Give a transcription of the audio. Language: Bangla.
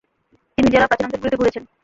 তিনি জেলার গ্রামীণ অঞ্চলগুলিতে ঘুরেছেন।